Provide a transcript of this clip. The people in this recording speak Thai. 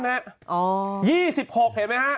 อ๋อ๒๖เห็นไหมคะ